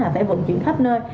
phải vận chuyển thấp nơi